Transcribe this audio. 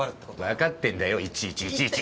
わかってんだよいちいちいちいち。